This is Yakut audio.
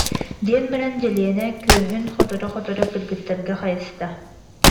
диэн баран Дьэлиэнэ күөһүн хоторо-хоторо кыргыттарга хайыста